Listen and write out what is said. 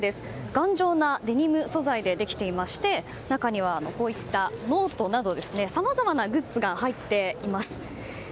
頑丈なデニム素材でできていまして中にはこういったノートなどさまざまなグッズが入っています。